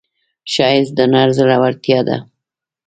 ښایست د هنر زړورتیا ده